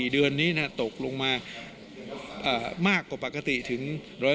เดือนนี้ตกลงมามากกว่าปกติถึง๑๐๐